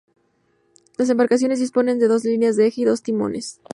Las embarcaciones disponen de dos líneas de eje y dos timones.